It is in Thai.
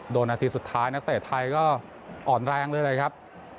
นาทีสุดท้ายนักเตะไทยก็อ่อนแรงเลยนะครับ